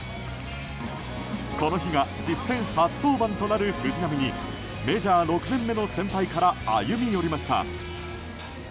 この日が実戦初登板となる藤浪にメジャー６年目の先輩から歩み寄りました。